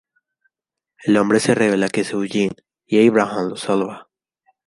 El hombre se revela que es Eugene, y Abraham lo salva.